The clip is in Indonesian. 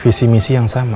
visi misi yang sama